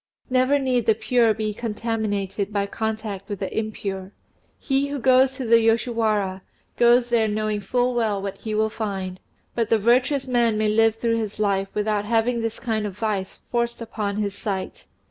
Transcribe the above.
Never need the pure be contaminated by contact with the impure; he who goes to the Yoshiwara, goes there knowing full well what he will find, but the virtuous man may live through his life without having this kind of vice forced upon his sight.